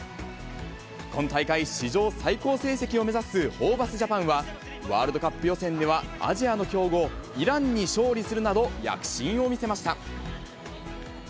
今大会、史上最高成績を目指すホーバスジャパンは、ワールドカップ予選ではアジアの強豪、イランに勝利するなど、躍進を見せました。